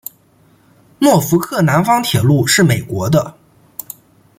诺福克南方铁路是美国的。